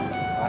tidak ada duit